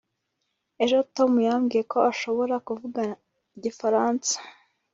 ejo, tom yambwiye ko adashobora kuvuga igifaransa